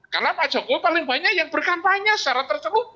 karena pak jokowi paling banyak yang berkampanye secara tercukup